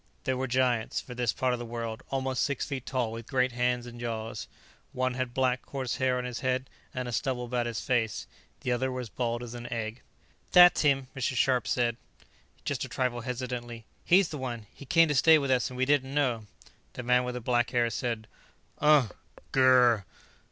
They were giants, for this part of the world, almost six feet tall, with great hands and jaws. One had black, coarse hair on his head and a stubble about his face; the other was bald as an egg. "That's him," Mrs. Scharpe said just a trifle hesitantly. "He's the one. He came to stay with us and we didn't know " The man with black hair said: "Uh. Gur."